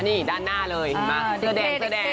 นี่ด้านหน้าเลยมาเด็ก